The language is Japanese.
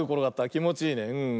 きもちいいね。